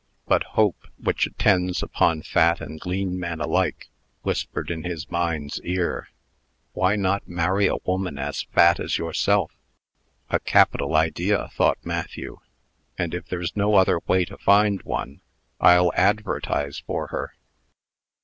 But Hope, which attends upon fat and lean men alike, whispered in his mind's ear, "Why not marry a woman as fat as yourself?" "A capital idea!" thought Matthew "and if there's no other way to find one, I'll advertise for her."